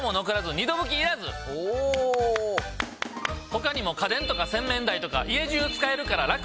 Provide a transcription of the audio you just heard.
他にも家電とか洗面台とか家じゅう使えるからラク！